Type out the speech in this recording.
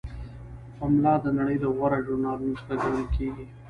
پملا د نړۍ له غوره ژورنالونو څخه ګڼل کیږي.